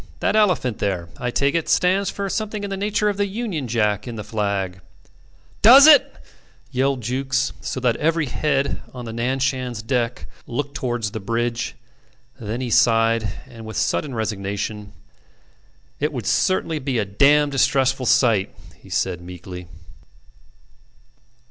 That elephant there, I take it, stands for something in the nature of the Union Jack in the flag. ..." "Does it!" yelled Jukes, so that every head on the Nan Shan's decks looked towards the bridge. Then he sighed, and with sudden resignation: "It would certainly be a dam' distressful sight," he said, meekly.